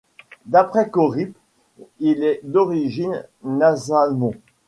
D'après Corippe, il est d'origine Nasamon.